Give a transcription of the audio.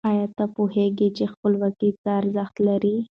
آیا ته پوهېږي چې خپلواکي څه ارزښت لري؟